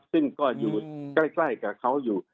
ซึ่งก็คล้ายกับเขาอยู่